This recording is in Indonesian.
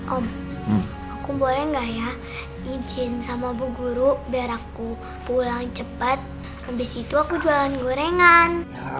om aku boleh nggak ya izin sama bu guru biar aku pulang cepat abis itu aku jualan gorengan